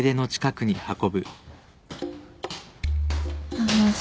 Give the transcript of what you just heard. あのさ。